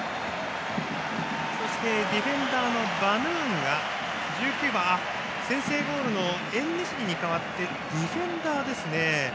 そして、ディフェンダーのバヌーンが１９番、先制ゴールのエンネシリに代わってディフェンダーですね。